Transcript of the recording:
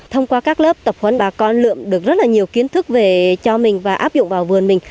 thông qua các lớp tập huấn bà con lượm được rất là nhiều kiến thức về cho mình và áp dụng vào vườn mình